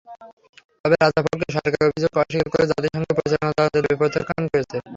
তবে রাজাপক্ষে সরকার অভিযোগ অস্বীকার করে জাতিসংঘের পরিচালনায় তদন্তের দাবি প্রত্যাখ্যান করে।